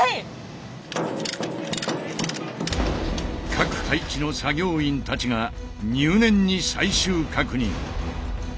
各配置の作業員たちが入念に最終確認。